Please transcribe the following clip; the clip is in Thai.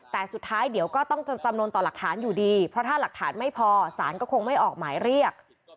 แต่สุดท้ายเดี๋ยวก็ต้องจำนวนต่อหลักฐานอยู่ดีเพราะถ้าหลักฐานไม่พอสารก็คงไม่ออกหมายเรียก